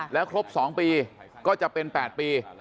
แล้วครบ๒ปีก็จะเป็น๘ปี